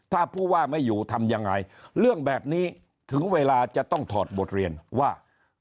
ถ้าผู้ว่าไม่อยู่ทำยังไงเรื่องแบบนี้ถึงเวลาจะต้องถอดบทเรียนว่า